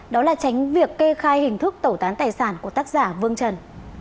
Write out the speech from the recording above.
đó là tránh việc kê khai hình thức tẩu tán tài sản của tác giả vương trần